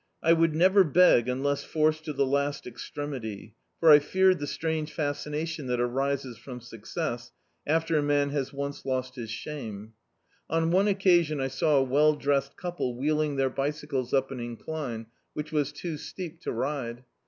I would never b^ unless forced to the last ex tremity, for I feared the strange fascinatiim that arises from success, after a man has once lo6t his shame. On one occasion I saw a well dressed couple wheeling their bicycles up an incline, which was too steep to ride.